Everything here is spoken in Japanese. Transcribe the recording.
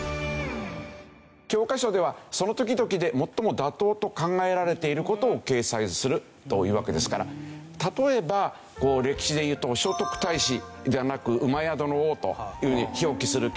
教科書ではその時々で最も妥当だと考えられている事を掲載するというわけですから例えばこう歴史でいうと聖徳太子ではなく「厩戸王」というふうに表記する教科書が出てきたり。